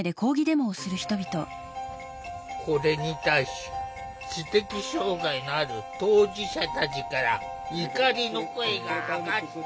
これに対し知的障害のある当事者たちから怒りの声が上がった！